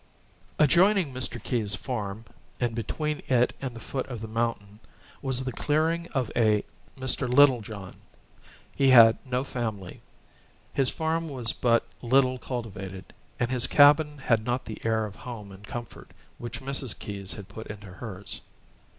Adjoining Mr. Keyes' farm, and between it and the foot of the mountain, was the clearing of a Mr. Littlejohn. He had no family. His farm was but little cultivated, and his cabin had not the air of home and comfort which Mrs. Keyes had put into hers.